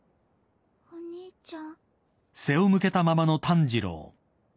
お兄ちゃん。